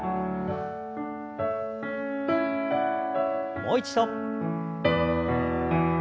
もう一度。